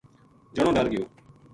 جنو ڈر گیو۔